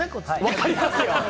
わかりますよ！